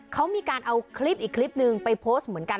เขามีการเอาคลิปอีกคลิปนึงไปโพสต์เหมือนกัน